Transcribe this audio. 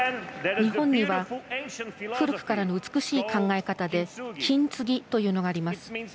日本には、古くからの美しい考え方で「金継ぎ」というのがあります。